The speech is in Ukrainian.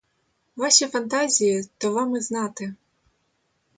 Ваші фантазії, то вам і знати.